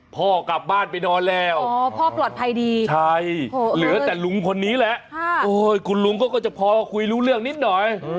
พ่อกลับบ้านไปนอนแล้วใช่เหลือแต่หลุงคนนี้แหละคุณหลุงก็จะพอคุยรู้เรื่องนิดหน่อย